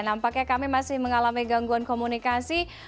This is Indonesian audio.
nampaknya kami masih mengalami gangguan komunikasi